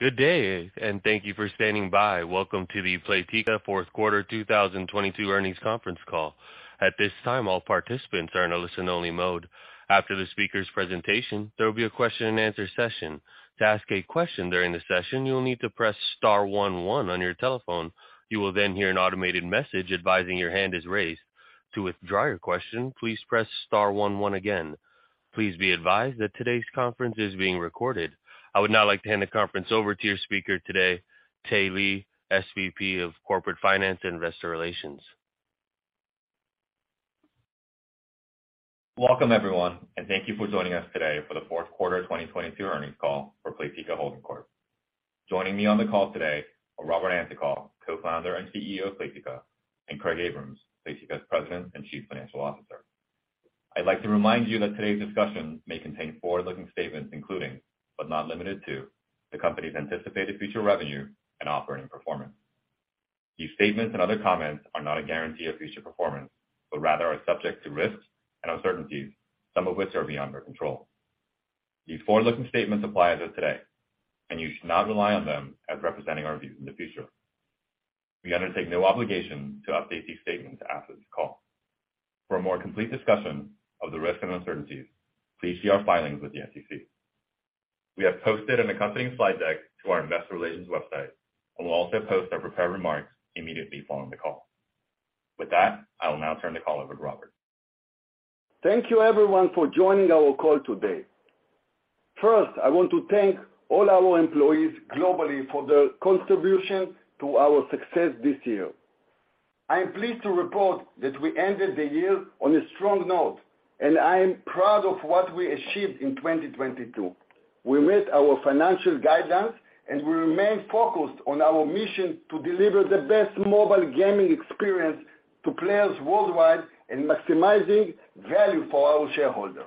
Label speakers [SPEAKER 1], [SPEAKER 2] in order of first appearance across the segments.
[SPEAKER 1] Good day, and thank you for standing by. Welcome to the Playtika fourth quarter 2022 earnings conference call. At this time, all participants are in a listen-only mode. After the speaker's presentation, there will be a question-and-answer session. To ask a question during the session, you will need to press star one one on your telephone. You will then hear an automated message advising your hand is raised. To withdraw your question, please press star one one again. Please be advised that today's conference is being recorded. I would now like to hand the conference over to your speaker today, Tae Lee, SVP of Corporate Finance and Investor Relations.
[SPEAKER 2] Welcome, everyone, thank you for joining us today for the fourth quarter 2022 earnings call for Playtika Holding Corp. Joining me on the call today are Robert Antokol, Co-founder and CEO of Playtika, and Craig Abrahams, Playtika's President and Chief Financial Officer. I'd like to remind you that today's discussion may contain forward-looking statements, including, but not limited to, the company's anticipated future revenue and operating performance. These statements and other comments are not a guarantee of future performance, rather are subject to risks and uncertainties, some of which are beyond our control. These forward-looking statements apply as of today, you should not rely on them as representing our views in the future. We undertake no obligation to update these statements after this call. For a more complete discussion of the risks and uncertainties, please see our filings with the SEC. We have posted an accompanying slide deck to our investor relations website and will also post our prepared remarks immediately following the call. With that, I will now turn the call over to Robert.
[SPEAKER 3] Thank you, everyone, for joining our call today. First, I want to thank all our employees globally for their contribution to our success this year. I am pleased to report that we ended the year on a strong note, and I am proud of what we achieved in 2022. We met our financial guidance, and we remain focused on our mission to deliver the best mobile gaming experience to players worldwide and maximizing value for our shareholders.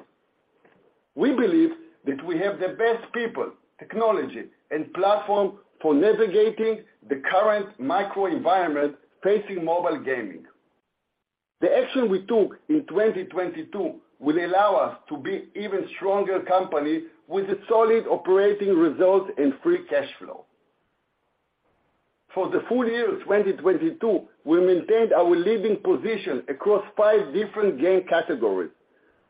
[SPEAKER 3] We believe that we have the best people, technology, and platform for navigating the current microenvironment facing mobile gaming. The action we took in 2022 will allow us to be even stronger company with solid operating results and free cash flow. For the full year 2022, we maintained our leading position across 5 different game categories.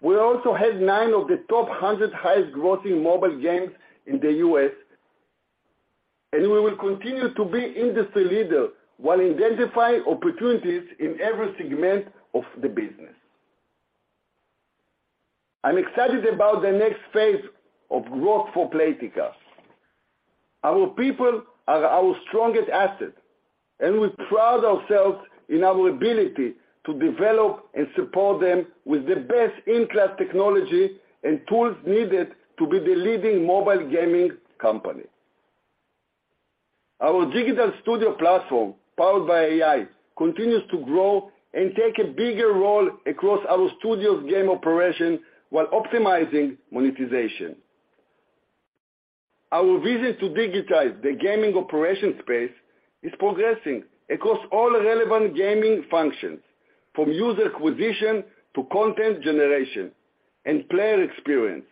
[SPEAKER 3] We also had 9 of the top 100 highest grossing mobile games in the U.S. We will continue to be industry leader while identifying opportunities in every segment of the business. I'm excited about the next phase of growth for Playtika. Our people are our strongest asset, and we pride ourselves in our ability to develop and support them with the best-in-class technology and tools needed to be the leading mobile gaming company. Our Digital Studio platform, powered by AI, continues to grow and take a bigger role across our studios game operation while optimizing monetization. Our vision to digitize the gaming operation space is progressing across all relevant gaming functions, from user acquisition to content generation and player experience.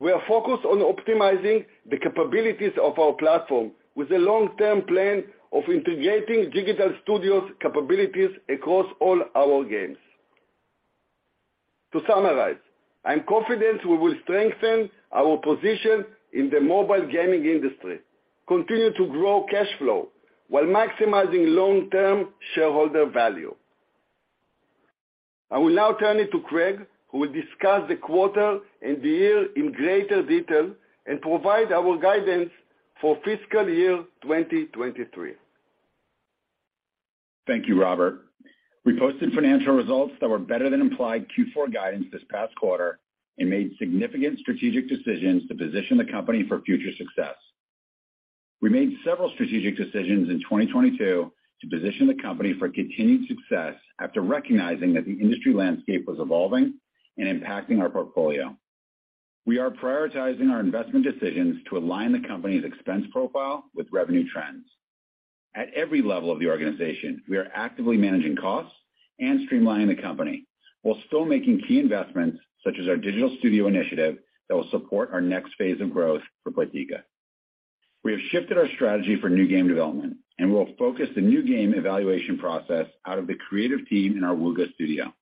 [SPEAKER 3] We are focused on optimizing the capabilities of our platform with a long-term plan of integrating Digital Studio capabilities across all our games. To summarize, I'm confident we will strengthen our position in the mobile gaming industry, continue to grow cash flow while maximizing long-term shareholder value. I will now turn it to Craig, who will discuss the quarter and the year in greater detail and provide our guidance for fiscal year 2023.
[SPEAKER 4] Thank you, Robert. We posted financial results that were better than implied Q4 guidance this past quarter and made significant strategic decisions to position the company for future success. We made several strategic decisions in 2022 to position the company for continued success after recognizing that the industry landscape was evolving and impacting our portfolio. We are prioritizing our investment decisions to align the company's expense profile with revenue trends. At every level of the organization, we are actively managing costs and streamlining the company while still making key investments, such as our Digital Studio initiative that will support our next phase of growth for Playtika. We have shifted our strategy for new game development, and we'll focus the new game evaluation process out of the creative team in our Wooga studio.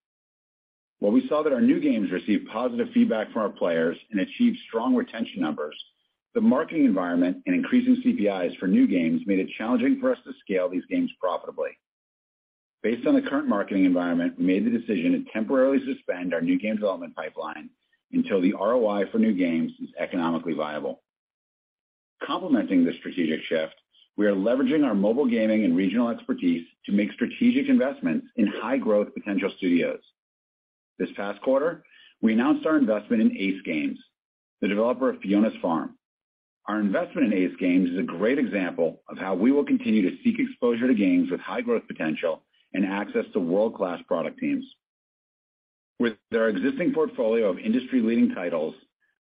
[SPEAKER 4] While we saw that our new games received positive feedback from our players and achieved strong retention numbers, the marketing environment and increasing CPIs for new games made it challenging for us to scale these games profitably. Based on the current marketing environment, we made the decision to temporarily suspend our new game development pipeline until the ROI for new games is economically viable. Complementing this strategic shift, we are leveraging our mobile gaming and regional expertise to make strategic investments in high-growth potential studios. This past quarter, we announced our investment in Ace Games, the developer of Fiona's Farm. Our investment in Ace Games is a great example of how we will continue to seek exposure to games with high-growth potential and access to world-class product teams. With their existing portfolio of industry-leading titles,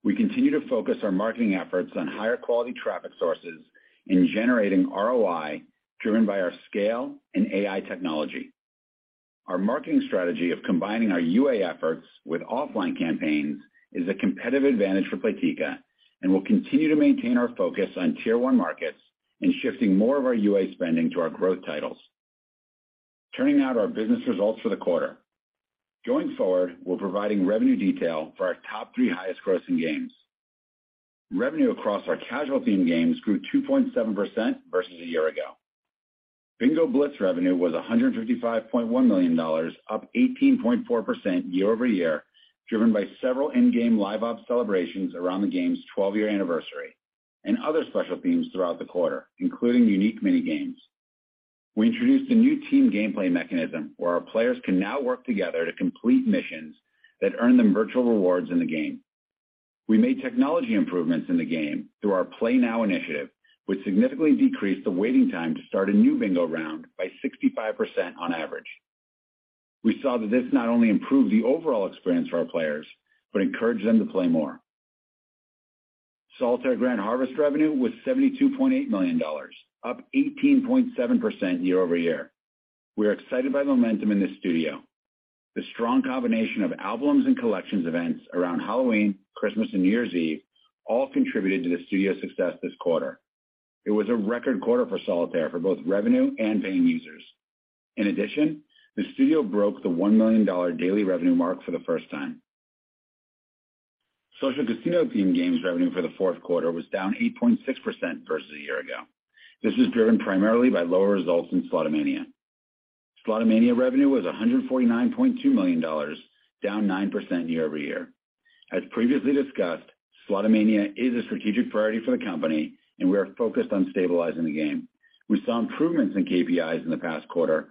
[SPEAKER 4] we continue to focus our marketing efforts on higher quality traffic sources in generating ROI driven by our scale and AI technology. Our marketing strategy of combining our UA efforts with offline campaigns is a competitive advantage for Playtika. We'll continue to maintain our focus on tier one markets and shifting more of our UA spending to our growth titles. Turning now to our business results for the quarter. Going forward, we're providing revenue detail for our top three highest grossing games. Revenue across our casual theme games grew 2.7% versus a year ago. Bingo Blitz revenue was $155.1 million, up 18.4% year-over-year, driven by several in-game live ops celebrations around the game's 12-year anniversary and other special themes throughout the quarter, including unique mini-games. We introduced a new team gameplay mechanism where our players can now work together to complete missions that earn them virtual rewards in the game. We made technology improvements in the game through our Play Now initiative, which significantly decreased the waiting time to start a new bingo round by 65% on average. We saw that this not only improved the overall experience for our players, but encouraged them to play more. Solitaire Grand Harvest revenue was $72.8 million, up 18.7% year-over-year. We are excited by the momentum in this studio. The strong combination of albums and collections events around Halloween, Christmas, and New Year's Eve all contributed to the studio's success this quarter. It was a record quarter for Solitaire for both revenue and paying users. In addition, the studio broke the $1 million daily revenue mark for the first time. Social casino theme games revenue for the fourth quarter was down 8.6% versus a year ago. This was driven primarily by lower results in Slotomania. Slotomania revenue was $149.2 million, down 9% year-over-year. As previously discussed, Slotomania is a strategic priority for the company, and we are focused on stabilizing the game. We saw improvements in KPIs in the past quarter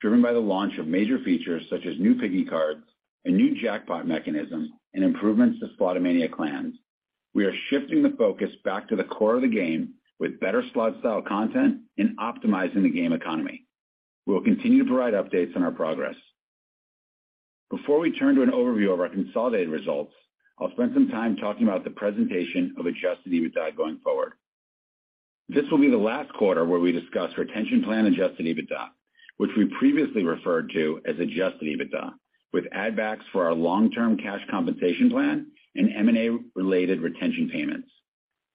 [SPEAKER 4] driven by the launch of major features such as new Piggy Cards, a new jackpot mechanism, and improvements to Slotomania Clans. We are shifting the focus back to the core of the game with better slot-style content and optimizing the game economy. We will continue to provide updates on our progress. Before we turn to an overview of our consolidated results, I'll spend some time talking about the presentation of Adjusted EBITDA going forward. This will be the last quarter where we discuss retention plan Adjusted EBITDA, which we previously referred to as Adjusted EBITDA, with add backs for our long-term cash compensation plan and M&A-related retention payments.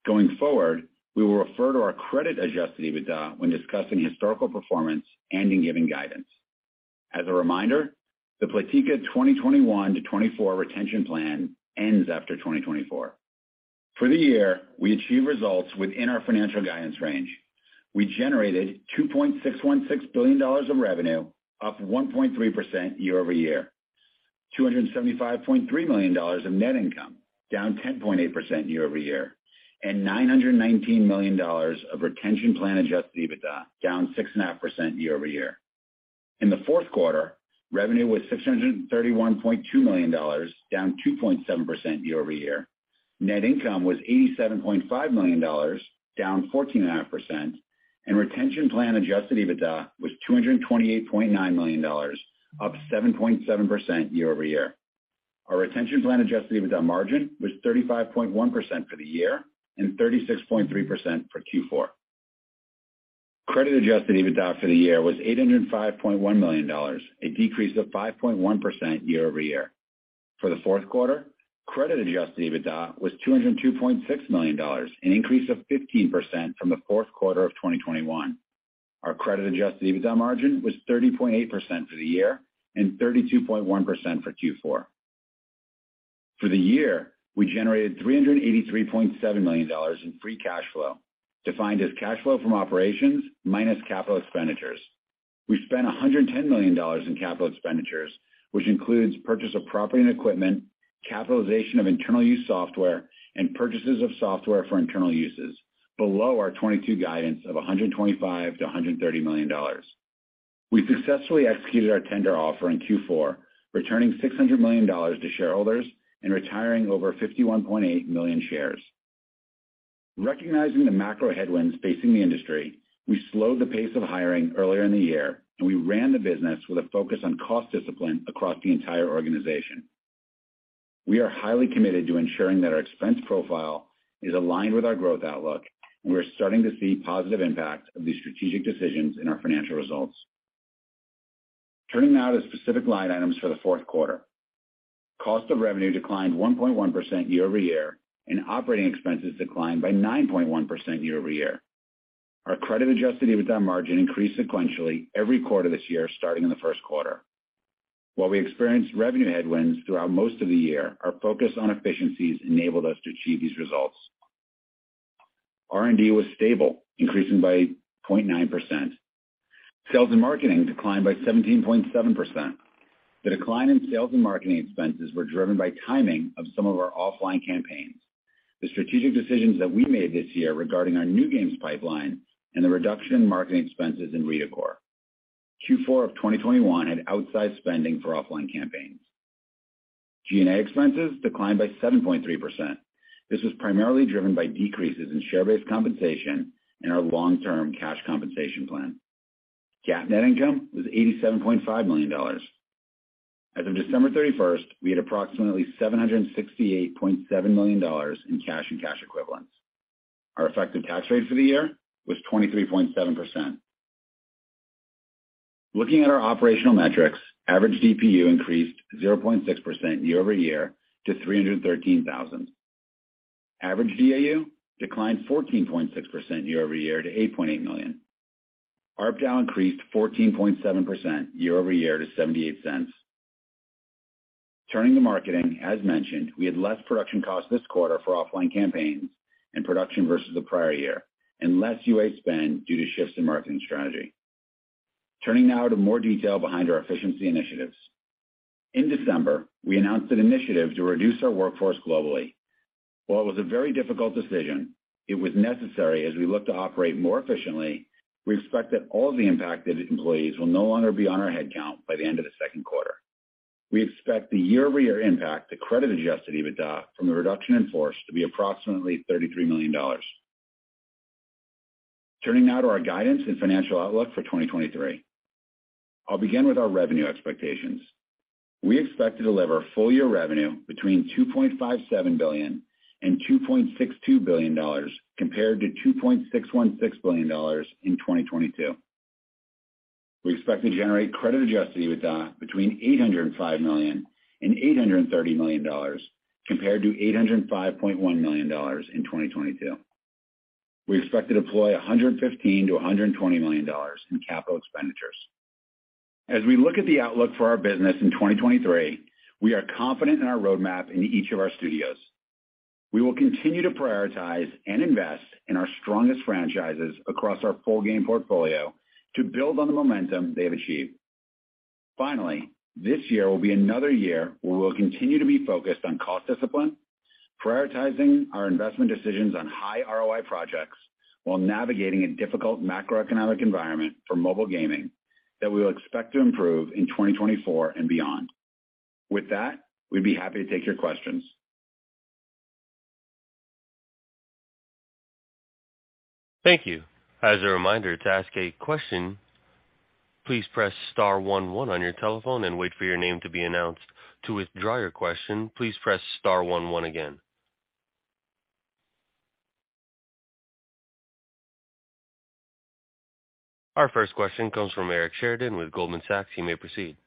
[SPEAKER 4] Going forward, we will refer to our credit-adjusted EBITDA when discussing historical performance and in giving guidance. As a reminder, the Playtika 2021-2024 retention plan ends after 2024. For the year, we achieved results within our financial guidance range. We generated $2.616 billion of revenue, up 1.3% year-over-year, $275.3 million of net income, down 10.8% year-over-year, and $919 million of retention plan Adjusted EBITDA, down 6.5% year-over-year. In the fourth quarter, revenue was $631.2 million, down 2.7% year-over-year. Net income was $87.5 million, down 14.5%. Retention plan Adjusted EBITDA was $228.9 million, up 7.7% year-over-year. Our retention plan Adjusted EBITDA margin was 35.1% for the year and 36.3% for Q4. Credit-adjusted EBITDA for the year was $805.1 million, a decrease of 5.1% year-over-year. For the fourth quarter, Credit-adjusted EBITDA was $202.6 million, an increase of 15% from the fourth quarter of 2021. Our Credit-adjusted EBITDA margin was 30.8% for the year and 32.1% for Q4. For the year, we generated $383.7 million in free cash flow, defined as cash flow from operations minus capital expenditures. We spent $110 million in capital expenditures, which includes purchase of property and equipment, capitalization of internal use software, and purchases of software for internal uses below our 2022 guidance of $125 million-$130 million. We successfully executed our tender offer in Q4, returning $600 million to shareholders and retiring over 51.8 million shares. Recognizing the macro headwinds facing the industry, we slowed the pace of hiring earlier in the year. We ran the business with a focus on cost discipline across the entire organization. We are highly committed to ensuring that our expense profile is aligned with our growth outlook. We are starting to see positive impact of these strategic decisions in our financial results. Turning now to specific line items for the fourth quarter. Cost of revenue declined 1.1% year-over-year. Operating expenses declined by 9.1% year-over-year. Our credit-adjusted EBITDA margin increased sequentially every quarter this year, starting in the first quarter. While we experienced revenue headwinds throughout most of the year, our focus on efficiencies enabled us to achieve these results. R&D was stable, increasing by 0.9%. Sales and marketing declined by 17.7%. The decline in sales and marketing expenses were driven by timing of some of our offline campaigns, the strategic decisions that we made this year regarding our new games pipeline and the reduction in marketing expenses in Redecor. Q4 of 2021 had outsized spending for offline campaigns. G&A expenses declined by 7.3%. This was primarily driven by decreases in share-based compensation in our long-term cash compensation plan. GAAP net income was $87.5 million. As of December 31st, we had approximately $768.7 million in cash and cash equivalents. Our effective tax rate for the year was 23.7%. Looking at our operational metrics, average DPU increased 0.6% year-over-year to 313,000. Average DAU declined 14.6% year-over-year to 8.8 million. ARPDAU increased 14.7% year-over-year to $0.78. Turning to marketing. As mentioned, we had less production costs this quarter for offline campaigns and production versus the prior year and less UA spend due to shifts in marketing strategy. Turning now to more detail behind our efficiency initiatives. In December, we announced an initiative to reduce our workforce globally. While it was a very difficult decision, it was necessary as we look to operate more efficiently. We expect that all the impacted employees will no longer be on our headcount by the end of the second quarter. We expect the year-over-year impact to credit-adjusted EBITDA from the reduction in force to be approximately $33 million. Turning now to our guidance and financial outlook for 2023. I'll begin with our revenue expectations. We expect to deliver full year revenue between $2.57 billion and $2.62 billion compared to $2.616 billion in 2022. We expect to generate credit-adjusted EBITDA between $805 million and $830 million compared to $805.1 million in 2022. We expect to deploy $115 million-$120 million in capital expenditures. As we look at the outlook for our business in 2023, we are confident in our roadmap in each of our studios. We will continue to prioritize and invest in our strongest franchises across our full game portfolio to build on the momentum they have achieved. Finally, this year will be another year where we'll continue to be focused on cost discipline, prioritizing our investment decisions on high ROI projects while navigating a difficult macroeconomic environment for mobile gaming that we will expect to improve in 2024 and beyond. With that, we'd be happy to take your questions.
[SPEAKER 1] Thank you. As a reminder to ask a question, please press star one one on your telephone and wait for your name to be announced. To withdraw your question, please press star one one again. Our first question comes from Eric Sheridan with Goldman Sachs. You may proceed.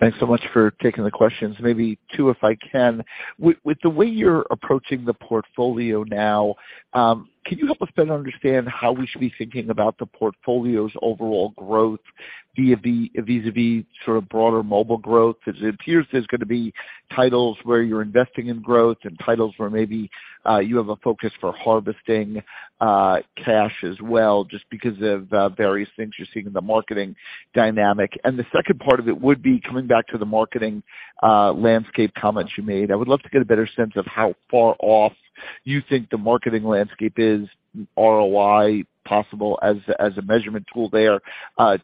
[SPEAKER 5] Thanks so much for taking the questions. Maybe two, if I can. With the way you're approaching the portfolio now, can you help us better understand how we should be thinking about the portfolio's overall growth vis-a-vis, vis-a-vis sort of broader mobile growth? Because it appears there's gonna be titles where you're investing in growth and titles where maybe, you have a focus for harvesting, cash as well, just because of various things you're seeing in the marketing dynamic. The second part of it would be coming back to the marketing landscape comments you made. I would love to get a better sense of how far off you think the marketing landscape is, ROI possible as a measurement tool there,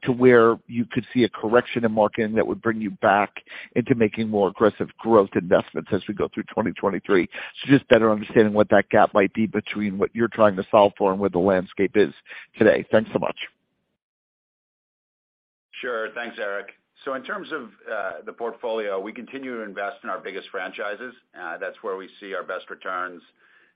[SPEAKER 5] to where you could see a correction in marketing that would bring you back into making more aggressive growth investments as we go through 2023. Just better understanding what that gap might be between what you're trying to solve for and where the landscape is today. Thanks so much.
[SPEAKER 4] Sure. Thanks, Eric. In terms of the portfolio, we continue to invest in our biggest franchises. That's where we see our best returns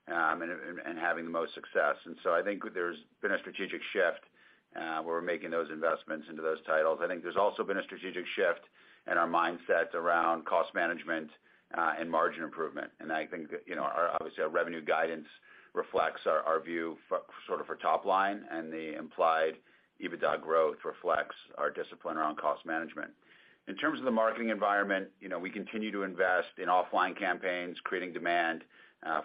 [SPEAKER 4] and having the most success. I think there's been a strategic shift where we're making those investments into those titles. I think there's also been a strategic shift in our mindsets around cost management and margin improvement. I think, you know, our, obviously, our revenue guidance reflects our view sort of for top line, and the implied EBITDA growth reflects our discipline around cost management. In terms of the marketing environment, you know, we continue to invest in offline campaigns, creating demand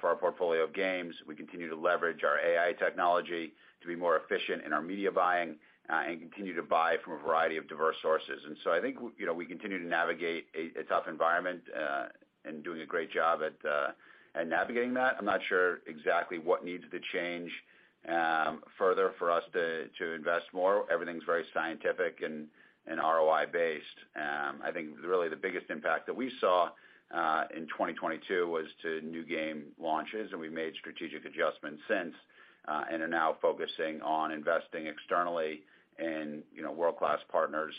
[SPEAKER 4] for our portfolio of games. We continue to leverage our AI technology to be more efficient in our media buying and continue to buy from a variety of diverse sources. I think, you know, we continue to navigate a tough environment and doing a great job at navigating that. I'm not sure exactly what needs to change further for us to invest more. Everything's very scientific and ROI based. I think really the biggest impact that we saw in 2022 was to new game launches, and we made strategic adjustments since and are now focusing on investing externally in, you know, world-class partners,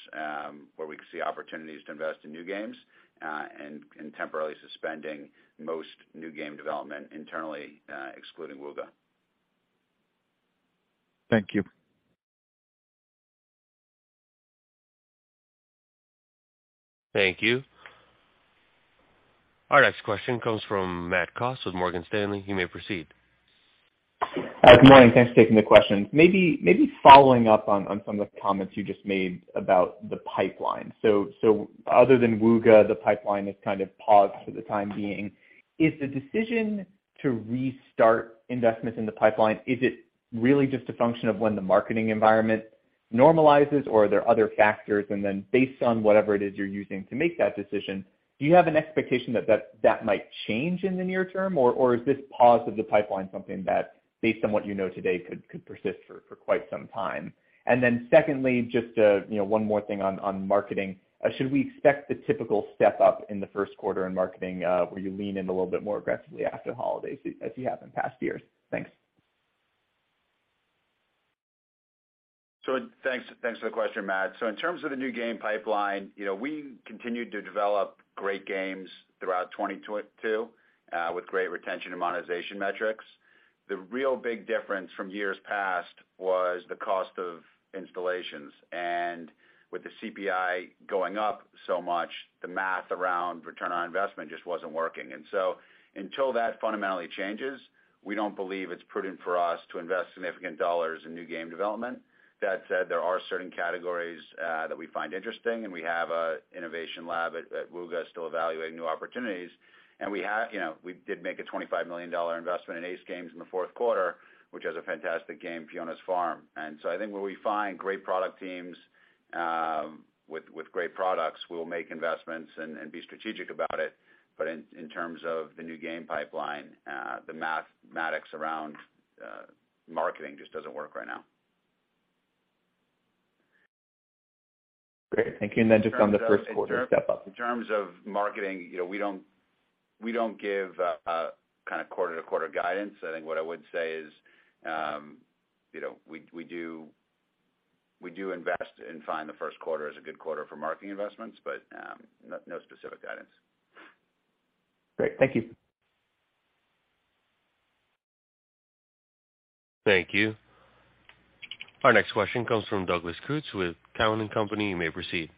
[SPEAKER 4] where we can see opportunities to invest in new games and temporarily suspending most new game development internally, excluding Wooga.
[SPEAKER 5] Thank you.
[SPEAKER 1] Thank you. Our next question comes from Matt Cost with Morgan Stanley. You may proceed.
[SPEAKER 6] Good morning. Thanks for taking the questions. Maybe following up on some of the comments you just made about the pipeline. Other than Wooga, the pipeline is kind of paused for the time being. Is the decision to restart investments in the pipeline, is it really just a function of when the marketing environment normalizes, or are there other factors? Based on whatever it is you're using to make that decision, do you have an expectation that that that might change in the near term, or is this pause of the pipeline something that, based on what you know today, could persist for quite some time? Secondly, just, you know, one more thing on marketing. Should we expect the typical step-up in the first quarter in marketing, where you lean in a little bit more aggressively after holidays as you have in past years? Thanks.
[SPEAKER 4] Thanks, thanks for the question, Matt. In terms of the new game pipeline, you know, we continued to develop great games throughout 2022 with great retention and monetization metrics. The real big difference from years past was the cost of installations. With the CPI going up so much, the math around return on investment just wasn't working. Until that fundamentally changes, we don't believe it's prudent for us to invest significant dollars in new game development. That said, there are certain categories that we find interesting, and we have an innovation lab at Wooga still evaluating new opportunities. You know, we did make a $25 million investment in Ace Games in the fourth quarter, which has a fantastic game, Fiona's Farm. I think where we find great product teams, with great products, we'll make investments and be strategic about it. In terms of the new game pipeline, the mathematics around marketing just doesn't work right now.
[SPEAKER 6] Great. Thank you. Just on the first quarter step up?
[SPEAKER 4] In terms of marketing, you know, we don't give, kind of quarter-to-quarter guidance. I think what I would say is, you know, we do invest and find the first quarter is a good quarter for marketing investments. No specific guidance.
[SPEAKER 6] Great. Thank you.
[SPEAKER 1] Thank you. Our next question comes from Douglas Creutz with Cowen and Company. You may proceed.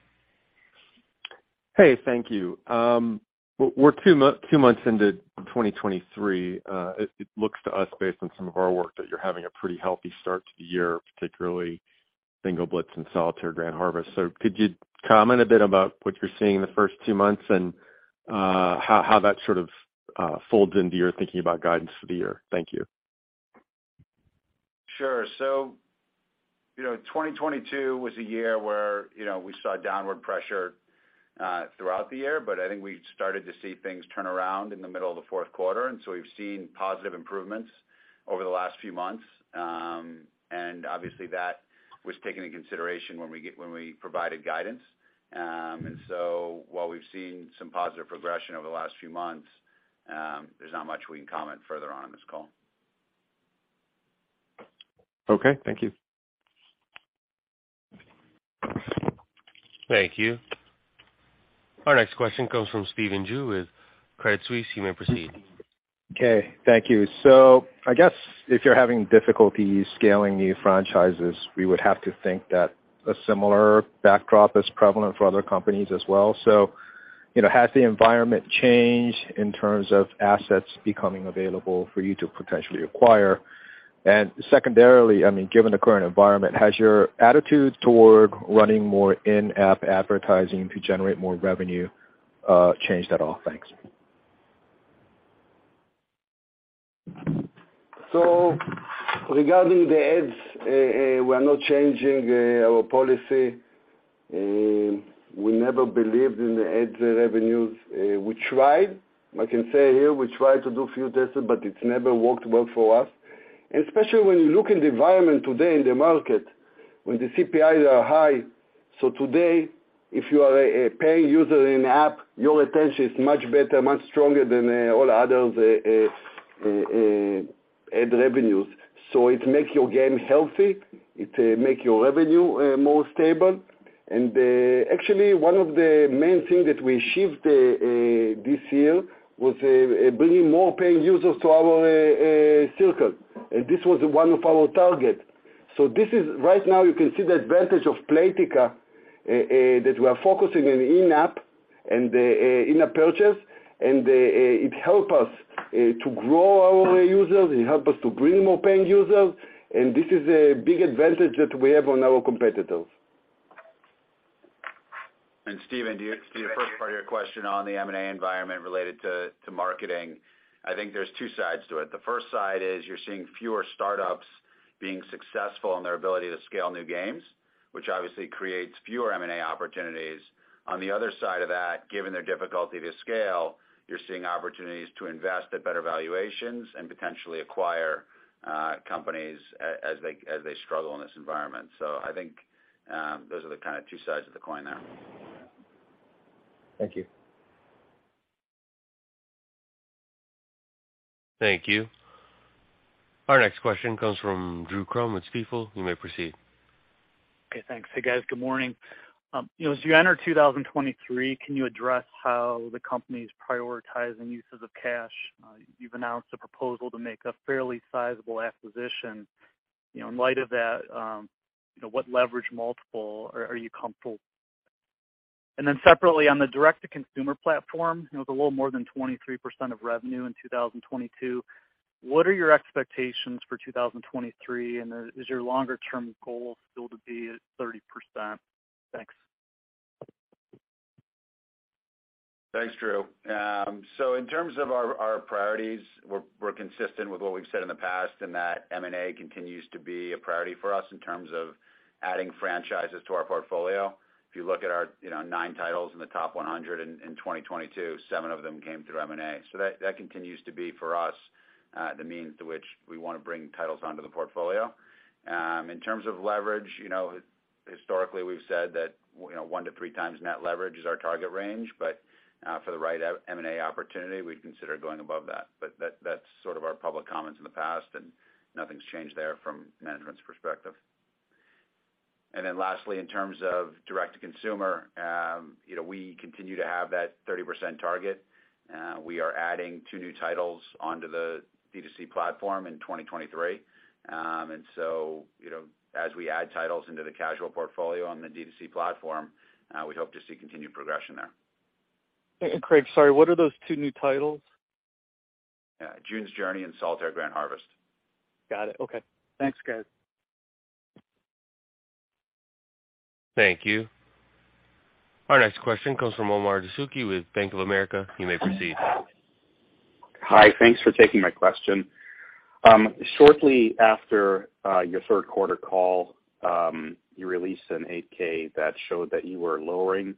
[SPEAKER 7] Hey, thank you. We're two months into 2023. It looks to us based on some of our work that you're having a pretty healthy start to the year, particularly Bingo Blitz and Solitaire Grand Harvest. Could you comment a bit about what you're seeing in the first two months and how that sort of folds into your thinking about guidance for the year? Thank you.
[SPEAKER 4] Sure. You know, 2022 was a year where, you know, we saw downward pressure throughout the year, but I think we started to see things turn around in the middle of the fourth quarter. We've seen positive improvements over the last few months. Obviously that was taken into consideration when we provided guidance. While we've seen some positive progression over the last few months, there's not much we can comment further on this call.
[SPEAKER 7] Okay, thank you.
[SPEAKER 1] Thank you. Our next question comes from Stephen Ju with Credit Suisse. You may proceed.
[SPEAKER 8] Okay. Thank you. I guess if you're having difficulty scaling new franchises, we would have to think that a similar backdrop is prevalent for other companies as well. You know, has the environment changed in terms of assets becoming available for you to potentially acquire? Secondarily, I mean, given the current environment, has your attitude toward running more in-app advertising to generate more revenue, changed at all? Thanks.
[SPEAKER 3] Regarding the ads, we're not changing our policy. We never believed in the ads revenues. We tried, I can say here, we tried to do few tests, but it never worked well for us. Especially when you look in the environment today in the market, when the CPI are high. Today, if you are a paying user in app, your retention is much better, much stronger than all other ad revenues. It makes your game healthy, it make your revenue more stable. Actually, one of the main thing that we shift this year was bringing more paying users to our circle. This was one of our target. This is right now you can see the advantage of Playtika, that we are focusing on in-app and in-app purchase. It help us to grow our users. It help us to bring more paying users. This is a big advantage that we have on our competitors.
[SPEAKER 4] Stephen, to your first part of your question on the M&A environment related to marketing, I think there's two sides to it. The first side is you're seeing fewer startups being successful in their ability to scale new games, which obviously creates fewer M&A opportunities. On the other side of that, given their difficulty to scale, you're seeing opportunities to invest at better valuations and potentially acquire companies as they struggle in this environment. I think those are the kind of two sides of the coin there.
[SPEAKER 8] Thank you.
[SPEAKER 1] Thank you. Our next question comes from Drew Crum, Stifel. You may proceed.
[SPEAKER 9] Okay, thanks. Hey, guys. Good morning. You know, as you enter 2023, can you address how the company's prioritizing uses of cash? You've announced a proposal to make a fairly sizable acquisition. You know, in light of that, you know, what leverage multiple are you comfortable? Separately, on the direct-to-consumer platform, you know, with a little more than 23% of revenue in 2022, what are your expectations for 2023? Is your longer-term goal still to be at 30%? Thanks.
[SPEAKER 4] Thanks, Drew. In terms of our priorities, we're consistent with what we've said in the past. M&A continues to be a priority for us in terms of adding franchises to our portfolio. If you look at our, you know, nine titles in the top 100 in 2022, seven of them came through M&A. That continues to be for us the means to which we wanna bring titles onto the portfolio. In terms of leverage, you know, historically, we've said that, you know, one to three times net leverage is our target range. For the right out M&A opportunity, we'd consider going above that. That's sort of our public comments in the past. Nothing's changed there from management's perspective. Lastly, in terms of direct-to-consumer, you know, we continue to have that 30% target. We are adding two new titles onto the D2C platform in 2023. You know, as we add titles into the casual portfolio on the D2C platform, we hope to see continued progression there.
[SPEAKER 9] Craig, sorry, what are those two new titles?
[SPEAKER 4] Yeah. June's Journey and Solitaire Grand Harvest.
[SPEAKER 9] Got it. Okay. Thanks, guys.
[SPEAKER 1] Thank you. Our next question comes from Omar Dessouky with Bank of America. You may proceed.
[SPEAKER 10] Hi. Thanks for taking my question. Shortly after your third quarter call, you released an 8-K that showed that you were lowering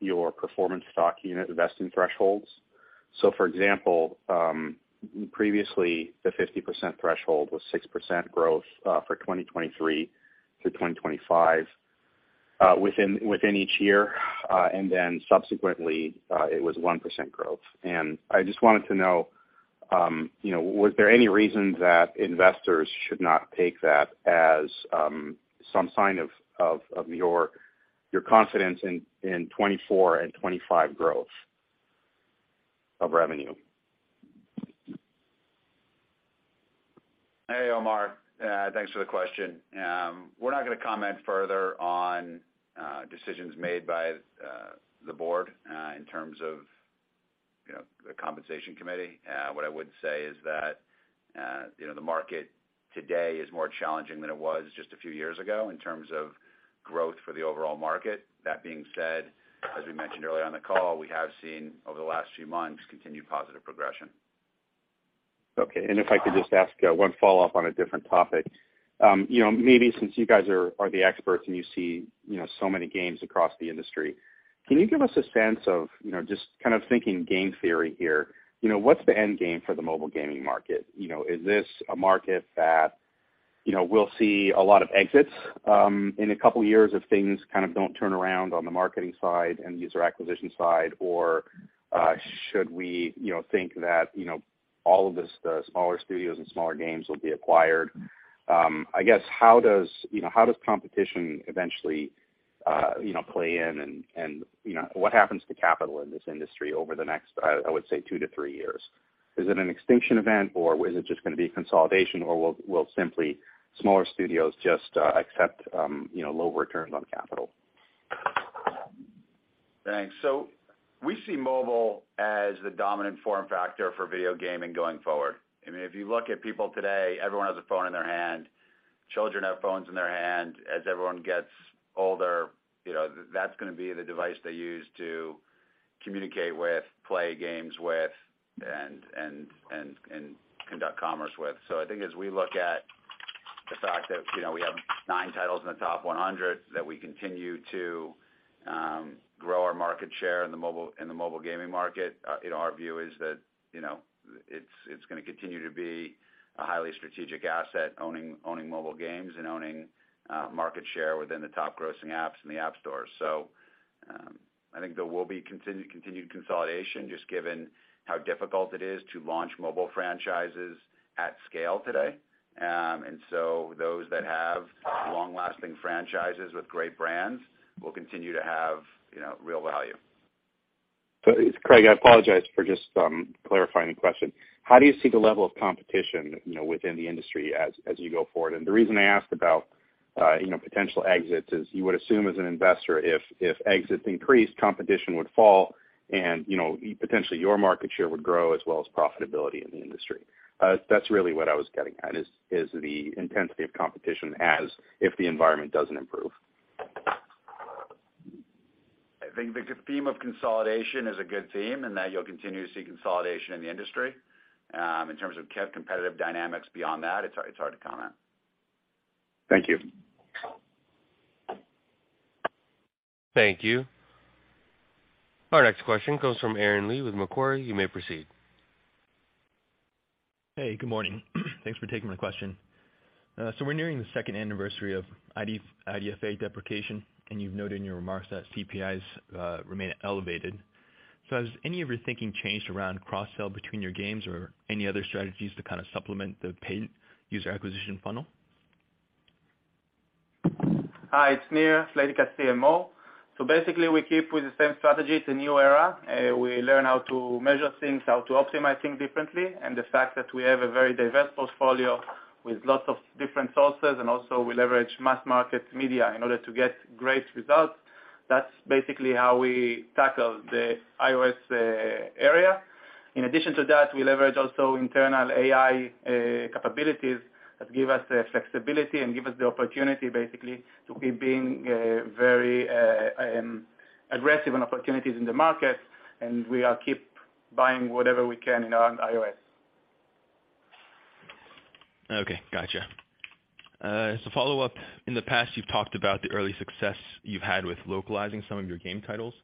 [SPEAKER 10] your performance stock unit vesting thresholds. For example, previously, the 50% threshold was 6% growth for 2023 to 2025 within each year, and then subsequently, it was 1% growth. I just wanted to know, you know, was there any reason that investors should not take that as some sign of your confidence in 2024 and 2025 growth of revenue?
[SPEAKER 4] Hey, Omar. Thanks for the question. We're not gonna comment further on decisions made by the board in terms of, you know, the compensation committee. What I would say is that, you know, the market today is more challenging than it was just a few years ago in terms of growth for the overall market. That being said, as we mentioned early on the call, we have seen over the last few months continued positive progression.
[SPEAKER 10] Okay. If I could just ask, one follow-up on a different topic. You know, maybe since you guys are the experts and you see, you know, so many games across the industry, can you give us a sense of, you know, just kind of thinking game theory here, you know, what's the end game for the mobile gaming market? You know, is this a market that, you know, we'll see a lot of exits, in a couple of years if things kind of don't turn around on the marketing side and user acquisition side? Should we, you know, think that, you know, all of this, the smaller studios and smaller games will be acquired? I guess, how does, you know, how does competition eventually, you know, play in and, you know, what happens to capital in this industry over the next, I would say 2 to 3 years? Is it an extinction event, or is it just gonna be consolidation, or will simply smaller studios just accept, you know, low returns on capital?
[SPEAKER 4] Thanks. We see mobile as the dominant form factor for video gaming going forward. I mean, if you look at people today, everyone has a phone in their hand. Children have phones in their hand. As everyone gets older, you know, that's going to be the device they use to communicate with, play games with, and conduct commerce with. I think as we look at the fact that, you know, we have nine titles in the top 100, that we continue to grow our market share in the mobile gaming market, you know, our view is that, you know, it's going to continue to be a highly strategic asset owning mobile games and owning market share within the top grossing apps in the App Store. I think there will be continued consolidation just given how difficult it is to launch mobile franchises at scale today. Those that have long lasting franchises with great brands will continue to have, you know, real value.
[SPEAKER 10] Craig, I apologize for just clarifying the question. How do you see the level of competition, you know, within the industry as you go forward? The reason I asked about, you know, potential exits is you would assume as an investor if exits increased, competition would fall and, you know, potentially your market share would grow as well as profitability in the industry. That's really what I was getting at, is the intensity of competition as if the environment doesn't improve.
[SPEAKER 4] I think the theme of consolidation is a good theme, and that you'll continue to see consolidation in the industry. In terms of competitive dynamics beyond that, it's hard to comment.
[SPEAKER 10] Thank you.
[SPEAKER 1] Thank you. Our next question comes from Aaron Lee with Macquarie. You may proceed.
[SPEAKER 11] Hey, good morning. Thanks for taking my question. We're nearing the second anniversary of IDFA deprecation, and you've noted in your remarks that CPIs remain elevated. Has any of your thinking changed around cross-sell between your games or any other strategies to kind of supplement the paid user acquisition funnel?
[SPEAKER 12] Hi, it's Nir, Playtika's CMO. Basically, we keep with the same strategy. It's a new era. We learn how to measure things, how to optimize things differently. The fact that we have a very diverse portfolio with lots of different sources, and also we leverage mass market media in order to get great results, that's basically how we tackle the iOS area. In addition to that, we leverage also internal AI capabilities that give us the flexibility and give us the opportunity basically to be very aggressive on opportunities in the market, and we are keep buying whatever we can in our iOS.
[SPEAKER 11] Okay. Gotcha. As a follow-up, in the past, you've talked about the early success you've had with localizing some of your game titles.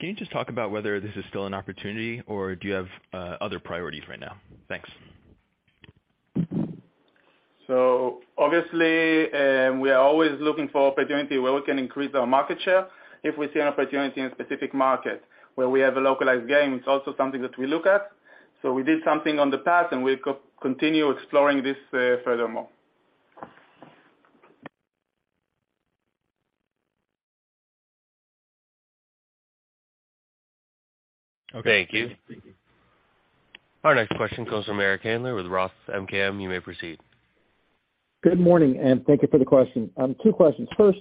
[SPEAKER 11] Can you just talk about whether this is still an opportunity, or do you have other priorities right now? Thanks.
[SPEAKER 12] Obviously, we are always looking for opportunity where we can increase our market share. If we see an opportunity in a specific market where we have a localized game, it's also something that we look at. We did something on the path, and we continue exploring this furthermore.
[SPEAKER 1] Okay. Thank you. Our next question comes from Eric Handler with Roth MKM. You may proceed.
[SPEAKER 13] Good morning, thank you for the question. Two questions. First,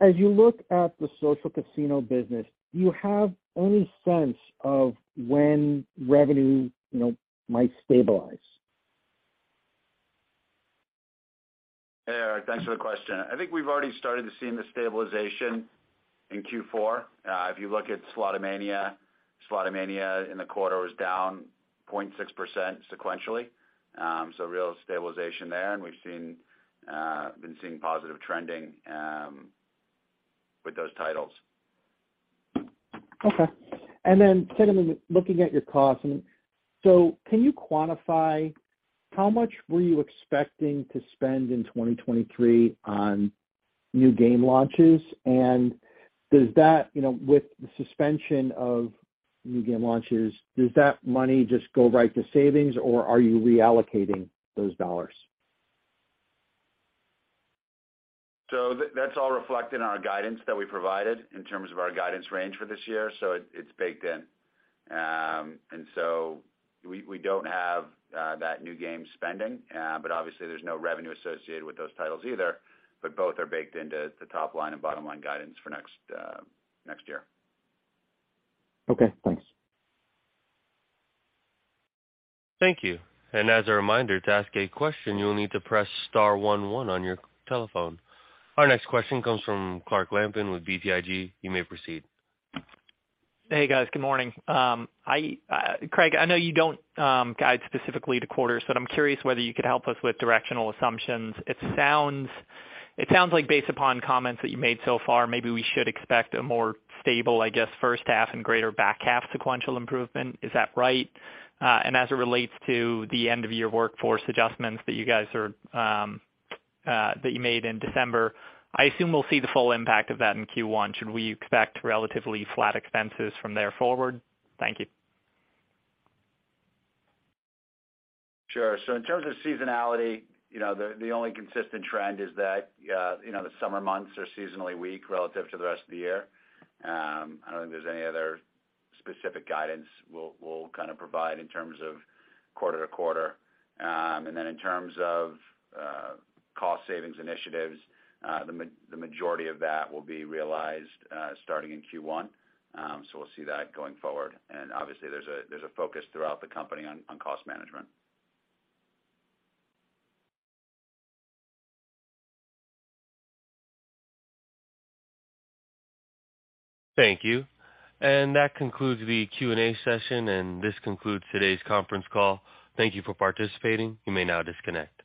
[SPEAKER 13] as you look at the social casino business, do you have any sense of when revenue, you know, might stabilize?
[SPEAKER 4] Eric, thanks for the question. I think we've already started to see the stabilization in Q4. If you look at Slotomania in the quarter was down 0.6% sequentially. Real stabilization there, and we've seen, been seeing positive trending, with those titles.
[SPEAKER 13] Okay. Secondly, looking at your costs. Can you quantify how much were you expecting to spend in 2023 on new game launches? Does that, you know, with the suspension of new game launches, does that money just go right to savings, or are you reallocating those dollars?
[SPEAKER 4] That's all reflected in our guidance that we provided in terms of our guidance range for this year. It's baked in. We don't have that new game spending, but obviously there's no revenue associated with those titles either. Both are baked into the top line and bottom-line guidance for next year.
[SPEAKER 13] Okay, thanks.
[SPEAKER 1] Thank you. As a reminder, to ask a question, you'll need to press star one one on your telephone. Our next question comes from Clark Lampen with BTIG. You may proceed.
[SPEAKER 14] Hey, guys. Good morning. I, Craig, I know you don't guide specifically to quarters, but I'm curious whether you could help us with directional assumptions. It sounds like based upon comments that you made so far, maybe we should expect a more stable, I guess, first half and greater back half sequential improvement. Is that right? As it relates to the end of year workforce adjustments that you guys are that you made in December, I assume we'll see the full impact of that in Q1. Should we expect relatively flat expenses from there forward? Thank you.
[SPEAKER 4] Sure. So in terms of seasonality, you know, the only consistent trend is that, you know, the summer months are seasonally weak relative to the rest of the year. I don't think there's any other specific guidance we'll kind of provide in terms of quarter to quarter. In terms of cost savings initiatives, the majority of that will be realized, starting in Q1. We'll see that going forward. Obviously, there's a focus throughout the company on cost management.
[SPEAKER 1] Thank you. That concludes the Q&A session. This concludes today's conference call. Thank you for participating. You may now disconnect.